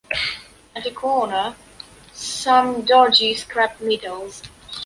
At a corner, some dodgy scrap metals.